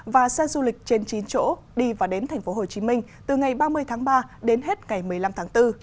và xe du lịch trên chín chỗ đi và đến tp hcm từ ngày ba mươi tháng ba đến hết ngày một mươi năm tháng bốn